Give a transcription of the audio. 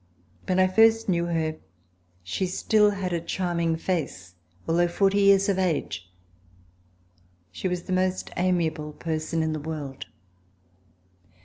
When I first knew her, she still had a charming face, although forty years of age. She was the most amiable person in the world.